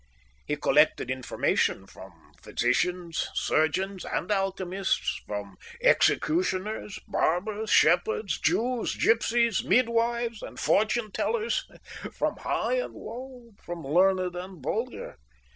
He collected information from physicians, surgeons and alchemists; from executioners, barbers, shepherds, Jews, gipsies, midwives, and fortune tellers; from high and low, from learned and vulgar.